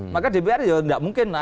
maka dpr ya nggak mungkin